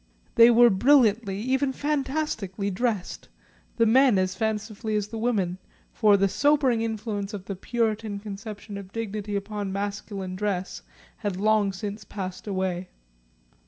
They were brilliantly, even fantastically dressed, the men as fancifully as the women, for the sobering influence of the Puritan conception of dignity upon masculine dress had long since passed away.